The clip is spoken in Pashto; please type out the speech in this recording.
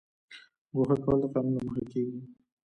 ګوښه کول د قانون له مخې کیږي